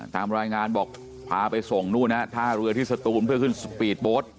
ตามรายงานบอกพาไปส่งท่ารือที่สตูนเพื่อขึ้นสปีดโบ๊ท